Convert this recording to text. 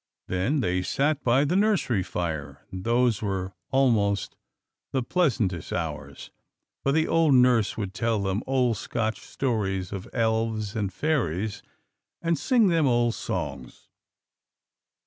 Then they sat by the nursery fire; and those were almost the pleasantest hours, for the old nurse would tell them old Scotch stories of elves and fairies, and sing them old songs.